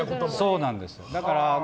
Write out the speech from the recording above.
そうなんです。